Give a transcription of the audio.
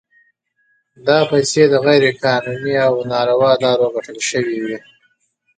دا پیسې د غیر قانوني او ناروا لارو ګټل شوي وي.